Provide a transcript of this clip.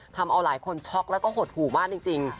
ทำเอาหลายคนช็อกแล้วก็หดหู่มากจริง